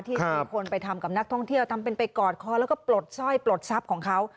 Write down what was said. ที่มีคนไปทำกับนักท่องเที่ยวทำเป็นไปกอดคอแล้วก็ปลดสร้อยปลดทรัพย์ของเขา